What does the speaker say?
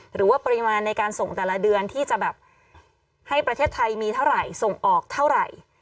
หรือว่าปริมาณในการส่งแต่ละเดือนที่จะแบบให้ประเทศไทยมีเท่าไหร่ส่งออกเท่าไหร่